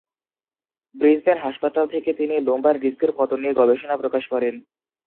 Brisbane হাসপাতাল থেকে তিনি লুমবার ডিস্কের পতন নিয়ে গবেষণা প্রকাশ করেন।